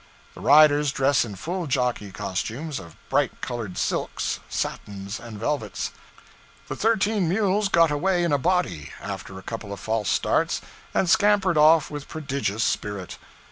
The riders dress in full jockey costumes of bright colored silks, satins, and velvets. The thirteen mules got away in a body, after a couple of false starts, and scampered off with prodigious spirit.